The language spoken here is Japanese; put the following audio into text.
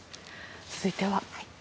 続いては。